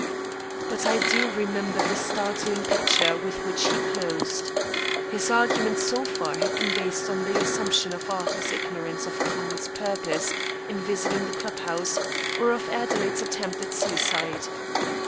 But I do remember the startling picture with which he closed. His argument so far, had been based on the assumption of Arthur's ignorance of Carmers purpose in visiting the club house, or of Adelaide's attempt at suicide.